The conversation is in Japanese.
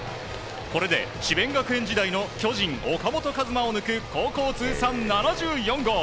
これで智弁学園時代の巨人、岡本和真を抜く高校通算７４号。